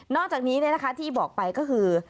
อกจากนี้ที่บอกไปก็คือ